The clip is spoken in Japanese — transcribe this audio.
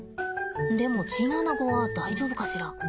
でもチンアナゴは大丈夫かしら？